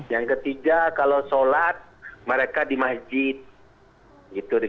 yang ketiga kalau sholat mereka di masjid